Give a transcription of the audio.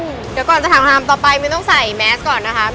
เดี๋ยวก่อนจะถามหามต่อไปไม่ต้องใส่แมสก่อนนะคะ